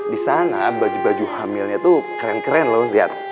di sana baju baju hamilnya tuh keren keren loh lihat